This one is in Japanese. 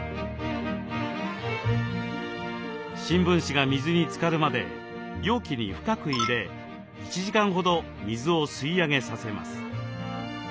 新聞紙が水につかるまで容器に深く入れ１時間ほど水を吸い上げさせます。